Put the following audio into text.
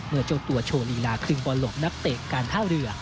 เจ้าตัวโชว์ลีลาครึ่งบอลหลบนักเตะการท่าเรือ